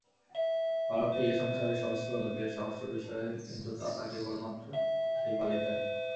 বালকটি এ সংসারের সহস্র লোকের, সহস্র বিষয়ের, কিন্তু তাতা কেবলমাত্র সেই বালিকারই।